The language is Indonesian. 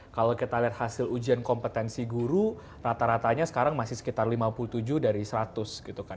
kalau kita lihat hasil ujian kompetensi guru rata ratanya sekarang masih sekitar lima puluh tujuh dari seratus gitu kan